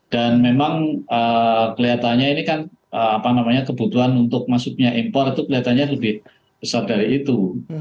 dan memang kelihatannya ini kan apa namanya kebutuhan untuk masuknya impor itu kelihatannya lebih besar dari itu